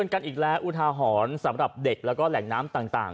กันอีกแล้วอุทาหรณ์สำหรับเด็กแล้วก็แหล่งน้ำต่าง